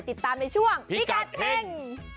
ติดตามในช่วงพิกัดเฮ่ง